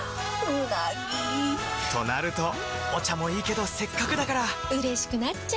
うなぎ！となるとお茶もいいけどせっかくだからうれしくなっちゃいますか！